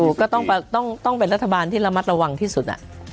ก็ต้องเป็นรัฐบาลที่ระมัดระวังที่สุด